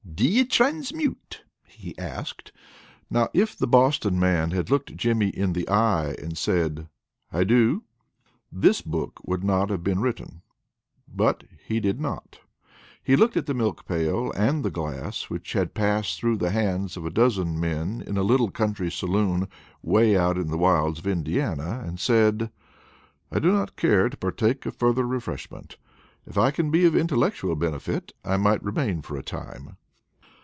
"Do you transmute?" he asked. Now if the Boston man had looked Jimmy in the eye, and said "I do," this book would not have been written. But he did not. He looked at the milk pail, and the glass, which had passed through the hands of a dozen men in a little country saloon away out in the wilds of Indiana, and said: "I do not care to partake of further refreshment; if I can be of intellectual benefit, I might remain for a time."